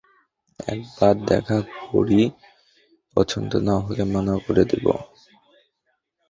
একবার দেখা করি, পছন্দ না হলে মানা করে দিব।